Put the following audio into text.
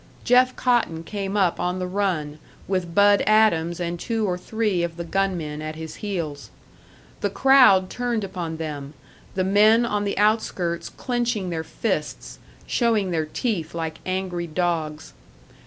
Jeff Cotton came up on the run, with "Bud" Adams and two or three of the gunmen at his heels. The crowd turned upon them, the men on the outskirts clenching their fists, showing their teeth like angry dogs.